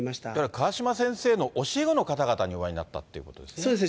川嶋先生の教え子の方々にお会いになったということですね。